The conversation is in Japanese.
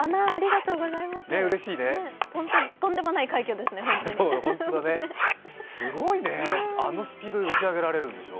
とってもない快挙ですね、ホントにすごいね、あのスピードで打ち上げられるんでしょ。